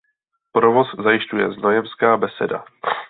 Provoz zajišťuje Znojemská Beseda.